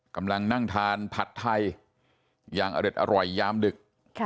กำลังนั่งทานผัดไทยอย่างอเด็ดอร่อยยามดึก